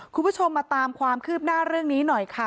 คุณผู้ชมมาตามความคืบหน้าเรื่องนี้หน่อยค่ะ